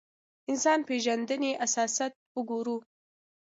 انسان پېژندنې اساسات وګورو.